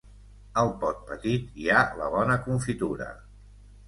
Al pot petit hi ha la bona confitura.